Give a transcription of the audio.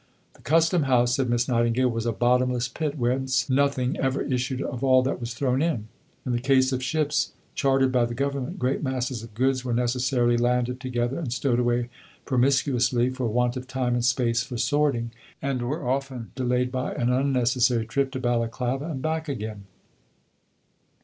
"The Custom House," said Miss Nightingale, "was a bottomless pit, whence nothing ever issued of all that was thrown in." In the case of ships chartered by the Government, great masses of goods were necessarily landed together and stowed away promiscuously for want of time and space for sorting, and were often delayed by an unnecessary trip to Balaclava and back again.